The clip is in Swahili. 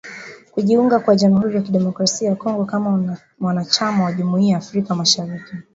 kujiunga kwa jamhuri ya kidemokrasia ya Kongo kama mwanachama wa jumuia ya Afrika ya mashariki